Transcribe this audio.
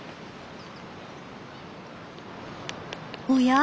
おや？